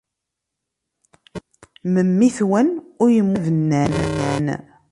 Memmi-twen ur yemmut ara bennan.